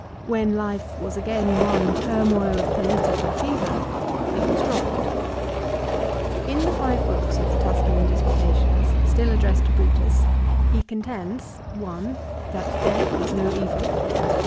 When life was again one turmoil of political fever it was dropped. In the five of the Books of the Tusculan disputations, still addressed to Brutus, he contends VOL. II. A A 354 LIFE OF CICERO. 1. That death is no evil.